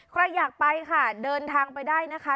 ใครอยากไปค่ะเดินทางไปได้นะคะ